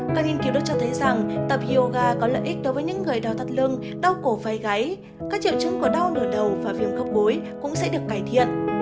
các nghiên cứu đã cho thấy rằng tập yoga có lợi ích đối với những người đau thắt lưng đau cổ vai gái các triệu chứng của đau nửa đầu và viêm khốc bối cũng sẽ được cải thiện